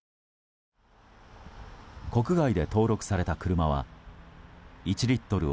国外で登録された車は１リットル